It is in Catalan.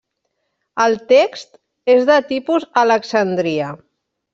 El text és de tipus Alexandria.